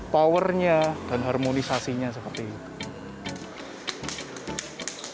power nya dan harmonisasinya seperti itu